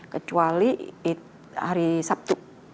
kecuali hari sabtu